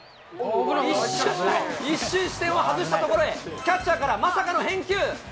一瞬で、一瞬視線を外したところへ、キャッチャーからのまさかの返球。